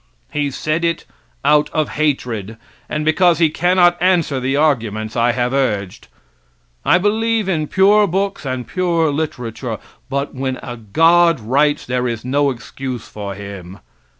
He said it out of hatred, and because he cannot answer the arguments I have urged. I believe in pure books and pure literature. But when a God writes there is no excuse for Him.